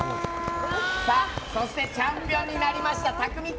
そしてチャンピオンになりましたたくみ君。